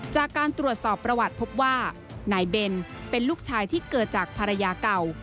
จากการตรวจสอบประวัติพบว่านายเบนเป็นลูกชายที่เกิดจากภรรยาเก่า